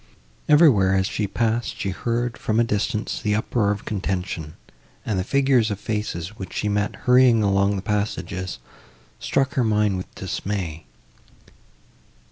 Everywhere, as she passed, she heard, from a distance, the uproar of contention, and the figures and faces, which she met, hurrying along the passages, struck her mind with dismay.